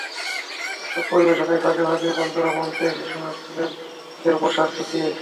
এসব পরিবেশনার ফাঁকে ফাঁকেই বন্ধুরা মঞ্চে এসে শোনাচ্ছিলেন তাদের বর্ষার স্মৃতি।